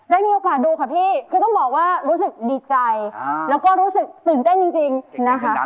ได้มีโอกาสดูค่ะพี่คือต้องบอกว่ารู้สึกดีใจแล้วก็รู้สึกตื่นเต้นจริงนะคะ